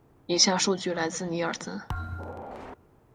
以下数据来自尼尔森。